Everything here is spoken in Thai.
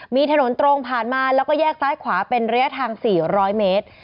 มีถนนตรงผ่านมาแล้วก็แยกซ้ายขวาเป็นระยะทาง๔๐๐เมตร